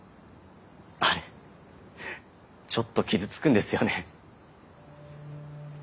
あれちょっと傷つくんですよね。